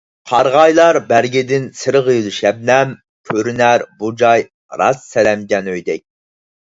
قارىغايلار بەرگىدىن سىرغىيدۇ شەبنەم، كۆرۈنەر بۇ جاي راست سەرەمجان ئۆيدەك.